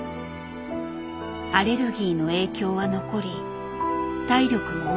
アレルギーの影響は残り体力も落ちた。